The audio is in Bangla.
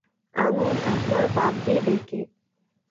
আনুন আপনার পাদ্রি ডেকে।